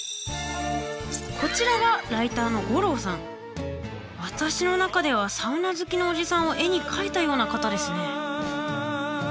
こちらが私の中ではサウナ好きのおじさんを絵に描いたような方ですね。